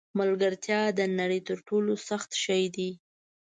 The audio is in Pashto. ملګرتیا د نړۍ تر ټولو سخت شی دی.